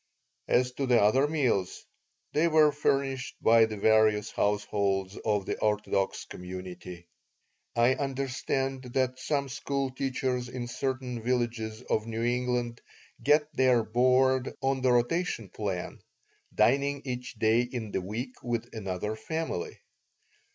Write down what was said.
As to the other meals, they were furnished by the various households of the orthodox community. I understand that some school teachers in certain villages of New England get their board on the rotation plan, dining each day in the week with another family.